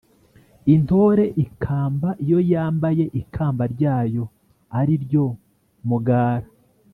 intore ikamba iyo yambaye ikamba ryayo ari ryo mugara